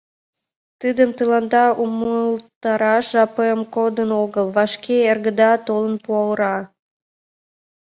Тидым тыланда умылтараш жапем кодын огыл, вашке эргыда толын пура.